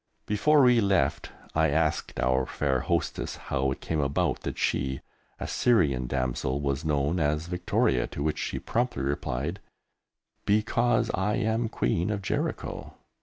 Before we left, I asked our fair hostess how it came about that she, a Syrian damsel, was known as Victoria, to which she promptly replied, "Because I am Queen of Jericho."